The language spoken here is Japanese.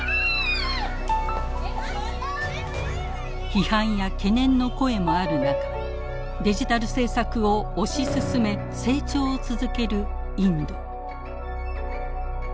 批判や懸念の声もある中デジタル政策を推し進め成長を続けるインド。